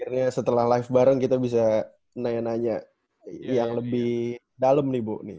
akhirnya setelah live bareng kita bisa nanya nanya yang lebih dalam nih bu